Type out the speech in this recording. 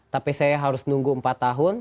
tapi saya harus nunggu empat tahun